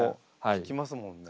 聞きますもんね。